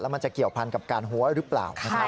แล้วมันจะเกี่ยวพันกับการหัวหรือเปล่า